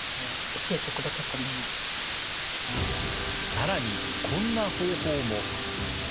更にこんな方法も。